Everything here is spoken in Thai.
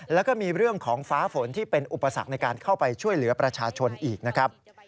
แล้วก็มีเรื่องของฟ้าฝนที่เป็นอุปสรรคในการเข้าไปช่วยเหลือประชาชนอีกนะครับ